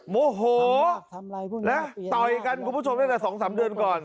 โมโหนะต่อยกันคุณผู้ชมตั้งแต่๒๓เดือนก่อน